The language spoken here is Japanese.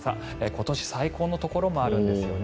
今年最高のところもあるんですよね。